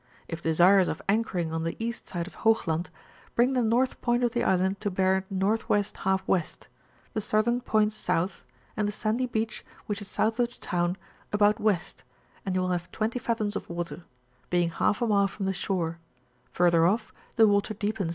If desirous of anchoring on the east side of Hoogland, bring the north point of the island to bear N.W. iW., the southern point South, and the sandy beach, which is south of the town, about West, and you will nave 20 fathoms of water, being half a mile from the shore ; further off, the water deepens to 29 and 34 &thoins.